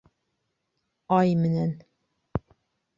Ай менән.